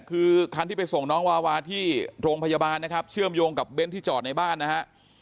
คือคันที่ไปส่งน้องวาวาที่โรงพยาบาลนะครับเชื่อมโยงกับเบ้นที่จอดในบ้านนะฮะ